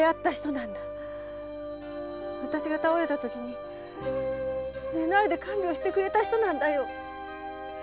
あたしが倒れたとき寝ないで看病してくれた人なんだよ。